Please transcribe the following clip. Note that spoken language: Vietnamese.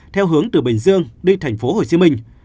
theo hướng từ bình dương đi tp hcm